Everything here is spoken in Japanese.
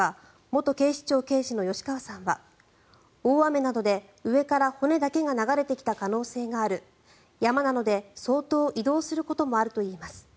元警視庁刑事の吉川さんは大雨などで上から骨だけが流れてきた可能性がある山なので相当移動することもあるといいます。